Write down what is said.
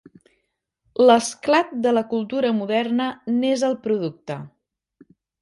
L'esclat de la cultura moderna n'és el producte.